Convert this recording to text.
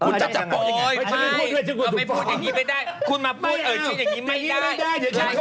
ไม่เราไม่พูดอย่างนี้ไม่ได้คุณมาพูดอย่างนี้ไม่ได้